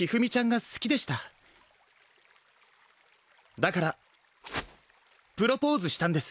だからプロポーズしたんです。